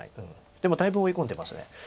でもだいぶ追い込んでます。